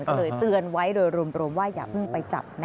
ก็เลยเตือนไว้โดยรวมว่าอย่าเพิ่งไปจับนะ